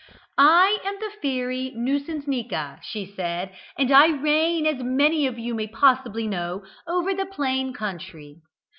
"I am the fairy Nuisancenika," she said, "and I reign, as many of you may possibly know, over the Plain country.